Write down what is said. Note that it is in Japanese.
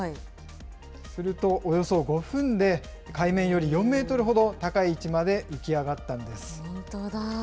すると、およそ５分で、海面より４メートルほど高い位置まで浮き上がったんです。